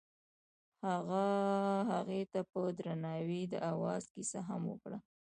هغه هغې ته په درناوي د اواز کیسه هم وکړه.